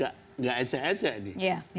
keputusan tidak ecek ecek